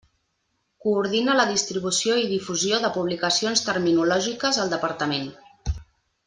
Coordina la distribució i difusió de publicacions terminològiques al Departament.